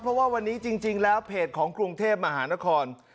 เพราะว่าวันนี้จริงแล้วเพจของกรุงเทพมหานคร